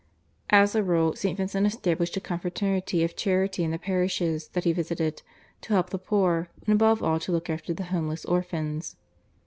As a rule St. Vincent established a confraternity of charity in the parishes that he visited to help the poor and above all to look after the homeless orphans.